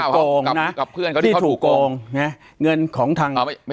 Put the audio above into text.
ปากกับภาคภูมิ